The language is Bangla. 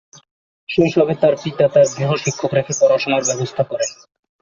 শৈশবে তার পিতা তার জন্য গৃহশিক্ষক রেখে পড়াশুনার ব্যবস্থা করেন।